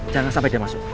jangan sampai dia masuk